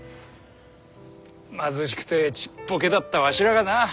貧しくてちっぽけだったわしらがなあ。